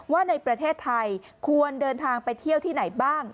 ว่าในประเทศไทยควรเดินทางไปเที่ยวที่ไหนบ้าง